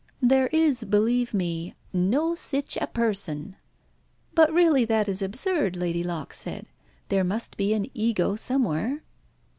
"There is, believe me, 'no sich a person.'" "But really that is absurd," Lady Locke said. "There must be an ego somewhere."